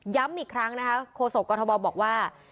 ย้ำอีกครั้งนะครับโคโสสกกฎธมบอกว่า